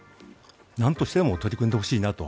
なんとしても取り組んでほしいなと。